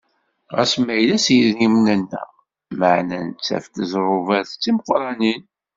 Ɣas ma yella s yidrimen-nneɣ, meɛna nettaf-d ẓẓrubat d imeqqranen.